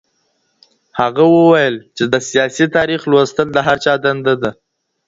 هغه وويل چي د سياسي تاريخ لوستل د هر چا دنده ده.